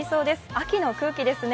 秋の空気ですね。